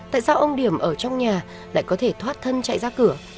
tại sao ông điểm ở trong nhà lại có thể thoát thân chạy ra cửa